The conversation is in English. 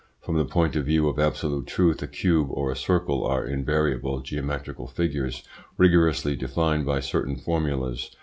From the point of view of absolute truth a cube or a circle are invariable geometrical figures, rigorously defined by certain formulas.